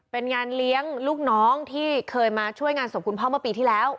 เป็นงานเลี้ยงลูกน้องที่เคยมาช่วยงานศพคุณพ่อเมื่อปีที่แล้ว